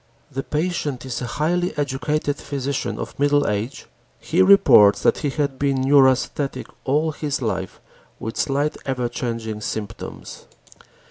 The patient is a highly educated physician of middle age. He reports that he had been neurasthenic all his life with slight ever changing symptoms.